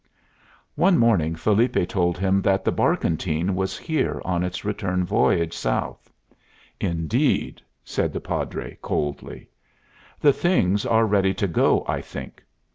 One morning Felipe told him that the barkentine was here on its return voyage south. "Indeed." said the Padre, coldly. "The things are ready to go, I think."